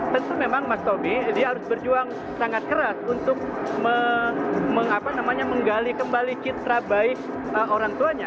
tentu memang mas tobi dia harus berjuang sangat keras untuk menggali kembali citra baik orang tuanya